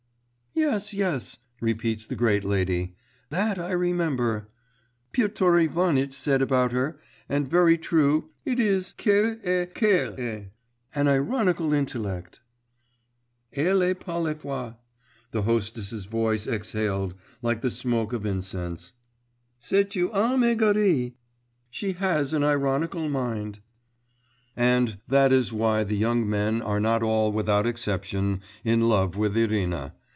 'Yes, yes,' repeats the great lady ... 'that I remember, Piotr Ivanitch said about her, and very true it is, qu'elle a ... qu'elle a an ironical intellect.' 'Elle n'a pas la foi,' the hostess's voice exhaled like the smoke of incense, 'C'est une âme égarée. She has an ironical mind.' And that is why the young men are not all without exception in love with Irina....